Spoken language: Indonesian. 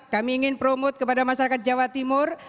kami ingin promote kepada masyarakat jawa timur